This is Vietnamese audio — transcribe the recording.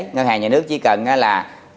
ngân hàng nhà nước chỉ cần là